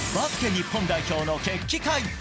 日本代表の決起会。